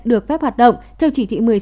được phép hoạt động theo chỉ thị một mươi sáu